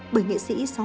bởi nghệ sĩ